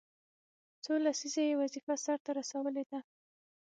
څو لسیزې یې وظیفه سرته رسولې ده.